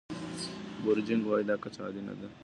بورجیګین وايي دا کچه عادي نه ده.